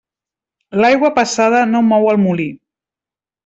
L'aigua passada no mou el molí.